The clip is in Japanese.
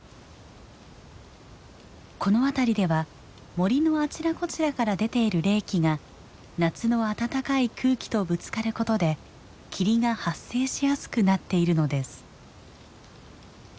この辺りでは森のあちらこちらから出ている冷気が夏の暖かい空気とぶつかることで霧が発生しやすくなっているのです。